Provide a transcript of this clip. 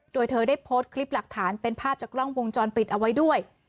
โดยเธอได้โพสต์คลิปหลักฐานเป็นภาพจากกล้องวงจรปิดเอาไว้ด้วย